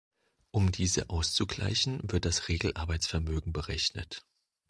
Um diese auszugleichen, wird das Regelarbeitsvermögen berechnet.